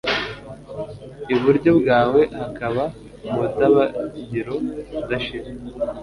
iburyo bwawe hakaba umudabagiro udashira